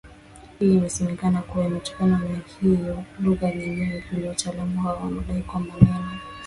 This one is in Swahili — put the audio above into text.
hiyo isemekane kuwa imetokana na hiyo lugha nyinginePili wataalamu hawa wanadai kwamba neno